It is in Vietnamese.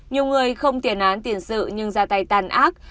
nhiều người không tiền án tiền sự nhưng ra tay tàn ác